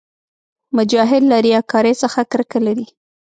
مجاهد له ریاکارۍ څخه کرکه لري.